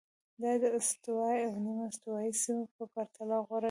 دا د استوایي او نیمه استوایي سیمو په پرتله غوره دي.